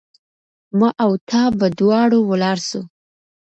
ما او تا به دواړه ولاړ سو